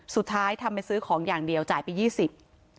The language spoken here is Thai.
สุดท้ายทำไปซื้อของอย่างเดียวจ่ายไป๒๐บาท